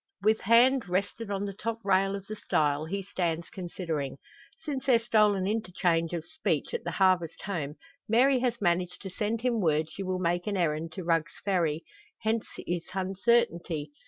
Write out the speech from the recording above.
With hand rested on the top rail of the stile, he stands considering. Since their stolen interchange of speech at the Harvest Home, Mary has managed to send him word she will make an errand to Rugg's Ferry; hence his uncertainty.